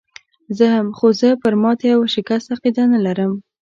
زه هم، خو زه پر ماتې او شکست عقیده نه لرم.